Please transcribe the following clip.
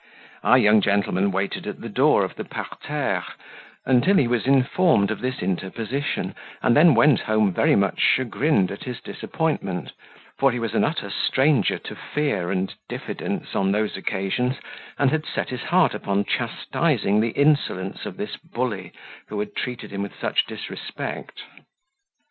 Our young gentleman waited at the door of the parterre, until he was informed of this interposition, and then went home very much chagrined at his disappointment; for he was an utter stranger to fear and diffidence on those occasions, and had set his heart upon chastising the insolence of this bully, who had treated him with such disrespect.